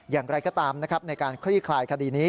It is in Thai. อย่างไรก็ตามในการคลิกลายคดีนี้